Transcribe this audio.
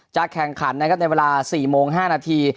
จะแข่งขันในเวลา๔โมง๕นาที